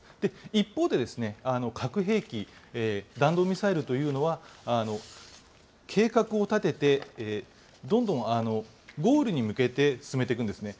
一方で、核兵器、弾道ミサイルというのは、計画を立ててどんどんゴールに向けて進めていくんですね。